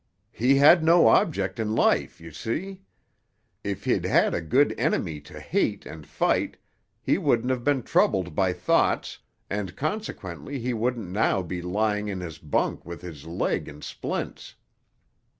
"He had no object in life, you see. If he'd had a good enemy to hate and fight, he wouldn't have been troubled by thoughts, and consequently he wouldn't now be lying in his bunk with his leg in splints.